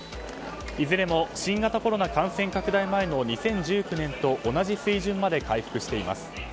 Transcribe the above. いずれも新型コロナ感染拡大前の２０１９年と同じ水準まで回復しています。